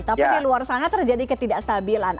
tapi di luar sana terjadi ketidakstabilan